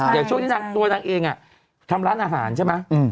อย่างเช่นนี้นักตัวนักเองทำร้านอาหารใช่มะ